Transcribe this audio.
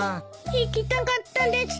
行きたかったです。